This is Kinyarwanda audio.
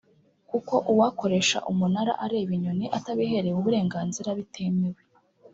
kuko uwakoresha umunara areba inyoni atabiherewe uburenganzira bitemewe